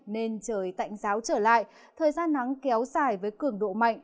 nên trời tạnh giáo trở lại thời gian nắng kéo dài với cường độ mạnh